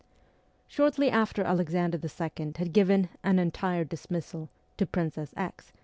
' Shortly after Alexander II. had given an ' entire dismissal ' to Princess X.